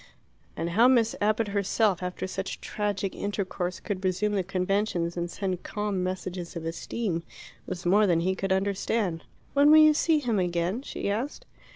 And how Miss Abbott herself, after such tragic intercourse, could resume the conventions and send calm messages of esteem, was more than he could understand. "When will you see him again?" she asked.